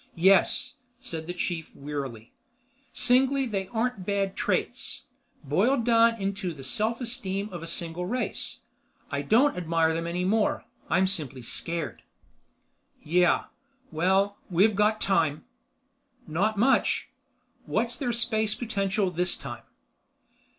Yes," said the chief wearily, "singly they aren't bad traits. Boiled down into the self esteem of a single race, I don't admire them any more. I'm simply scared." "Yeah. Well, we've got time." "Not much. What's their space potential this time?"